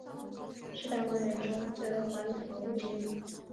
是大观园中最为华丽的房屋之一。